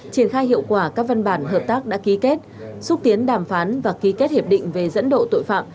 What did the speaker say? triển khai hiệu quả các văn bản hợp tác đã ký kết xúc tiến đàm phán và ký kết hiệp định về dẫn độ tội phạm